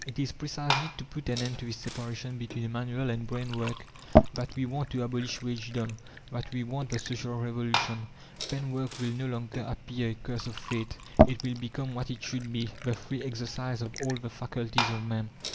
It is precisely to put an end to this separation between manual and brain work that we want to abolish wagedom, that we want the Social Revolution. Then work will no longer appear a curse of fate: it will become what it should be the free exercise of all the faculties of man.